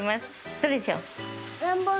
どれでしょう？